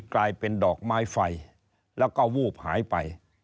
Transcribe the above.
กลายเป็นดอกไม้ไฟแล้วก็วูบหายไป